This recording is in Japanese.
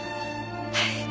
はい！